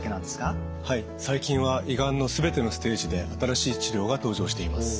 はい最近は胃がんのすべてのステージで新しい治療が登場しています。